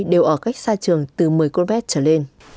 đều ở cách xa trường từ một mươi km trở lên